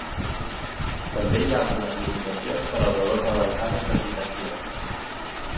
També hi ha algunes limitacions per al valor de les dades de citació.